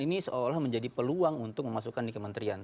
ini seolah menjadi peluang untuk memasukkan di kementerian